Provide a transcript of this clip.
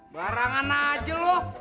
barangan aja lo